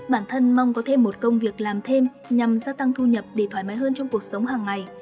bản thân mong có thêm một công việc làm thêm nhằm gia tăng thu nhập để thoải mái hơn trong cuộc sống hàng ngày